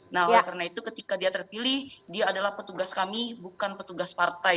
nah oleh karena itu ketika dia terpilih dia adalah petugas kami bukan petugas partai